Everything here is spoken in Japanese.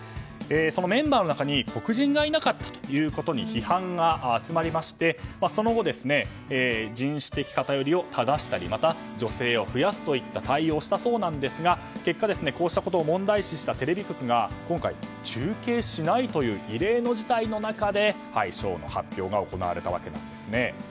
そのメンバーの中に黒人がいなかったということに批判が集まり、その後人種的偏りを正したりまた女性を増やすといった対応したそうですが結果、こうしたことを問題視したテレビ局が、今回中継しないという異例の事態の中で賞の発表が行われたわけなんです。